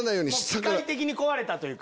機械的に壊れたというか。